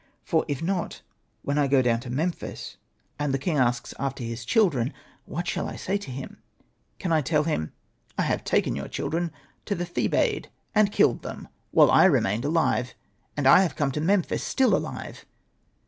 For, if not, when I go down to Memphis, and the king asks after Hosted by Google io6 SETNA AND THE MAGIC BOOK his children, what shall I say to him ? Can I tell him, ''I have taken your children to the Thebaid, and killed them, while I remained alive, and I have come to Memphis still alive